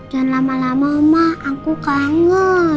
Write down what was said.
jangan lama lama mak aku kangen